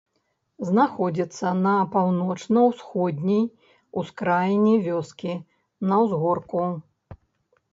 Знаходзіцца на паўночна-ўсходняй ускраіне вёскі, на ўзгорку.